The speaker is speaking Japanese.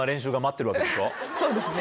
そうですね